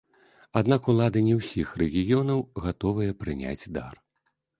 Аднак улады не ўсіх рэгіёнаў гатовыя прыняць дар.